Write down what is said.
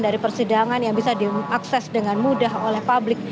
dari persidangan yang bisa diakses dengan mudah oleh publik